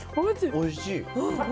おいしい。